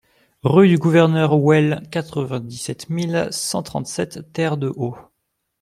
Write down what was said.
Rue du Gouverneur Houël, quatre-vingt-dix-sept mille cent trente-sept Terre-de-Haut